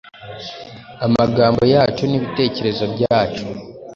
amagambo yacu n’ibitekerezo byacu,